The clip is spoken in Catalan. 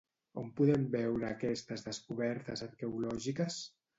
On podem veure aquestes descobertes arqueològiques?